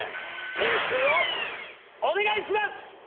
点数をお願いします！